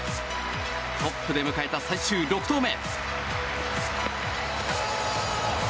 トップで迎えた最終６投目。